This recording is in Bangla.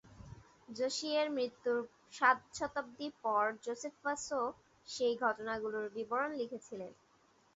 যোশিয়ের মৃত্যুর সাত শতাব্দী পর, যোসেফাসও সেই ঘটনাগুলোর বিবরণ লিখেছিলেন।